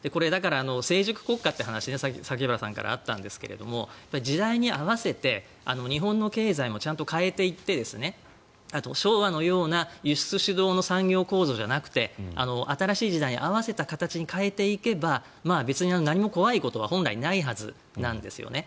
成熟国家という話、さっき榊原さんからあったんですが時代に合わせて日本の経済もちゃんと変えていってあと、昭和のような輸出主導の産業構造じゃなくて新しい時代に合わせた形に変えていけば別に何も怖いことは本来ないはずなんですよね。